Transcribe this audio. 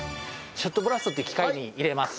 ショットブラストっていう機械に入れます。